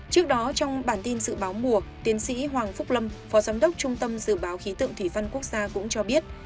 trước đó trong bản tin dự báo mùa tiến sĩ hoàng phúc lâm phó giám đốc trung tâm dự báo khí tượng thủy văn quốc gia cũng cho biết